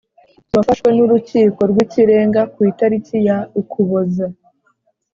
wafashwe n Urukiko rw Ikirenga ku itariki ya Ukuboza